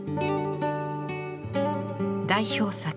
代表作